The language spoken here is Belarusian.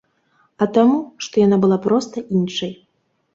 А таму, што яна была проста іншай.